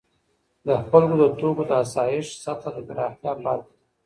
د خلکو د توکو د آسایښت سطح د پراختیا په حال کې ده.